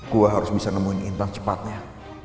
gue harus bisa nemuin intan cepatnya